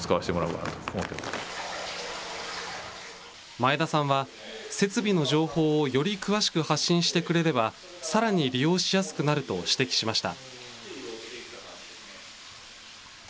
前田さんは、設備の情報をより詳しく発信してくれれば、さらに利用しやすくなると指摘しました。